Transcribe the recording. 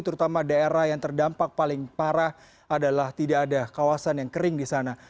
terutama daerah yang terdampak paling parah adalah tidak ada kawasan yang kering di sana